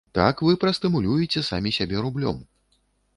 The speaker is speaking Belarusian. Так вы прастымулюеце самі сябе рублём!